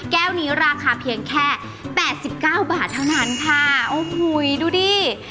แก้วนี้ราคาเพียงแค่แปดสิบเก้าบาทเท่านั้นค่ะโอ้โหดูดิ